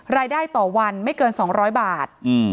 รายได้ต่อวันไม่เกินสองร้อยบาทอืม